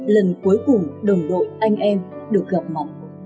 lần cuối cùng đồng đội anh em được gặp mặt